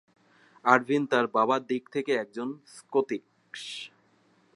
Ervine তার বাবার দিক থেকে একজন স্কটিশ।